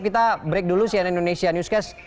kita break dulu si anon indonesia newscast